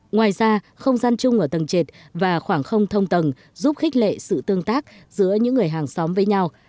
ngoài ra không gian chung ở tầng trệt và khoảng không thông tầng giúp khích lệ sự tương tác giữa những người hàng xóm với nhau